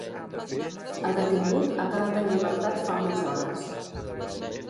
El detingut ha quedat en llibertat fa unes hores.